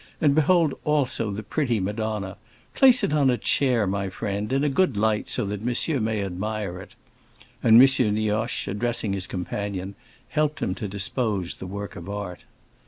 And behold also the pretty Madonna. Place it on a chair, my friend, in a good light, so that monsieur may admire it." And M. Nioche, addressing his companion, helped him to dispose the work of art.